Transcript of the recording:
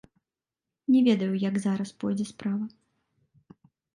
Не ведаю, як зараз пойдзе справа.